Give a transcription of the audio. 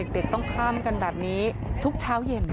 เด็กต้องข้ามกันแบบนี้ทุกเช้าเย็น